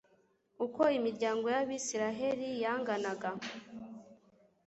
uko imiryango y'abayisraheli yanganaga